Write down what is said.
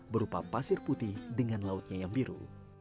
berupa pasir putih dengan lautnya yang biru